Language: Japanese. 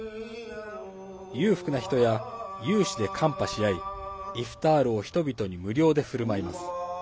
裕福な人や有志でカンパし合いイフタールを人々に無料でふるまいます。